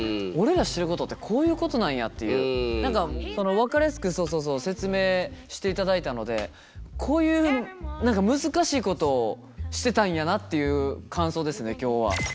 分かりやすくそうそうそう説明していただいたのでこういう何か難しいことをしてたんやなっていう感想ですね今日は。